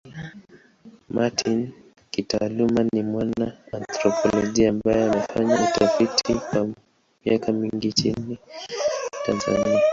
Martin kitaaluma ni mwana anthropolojia ambaye amefanya utafiti kwa miaka mingi nchini Tanzania.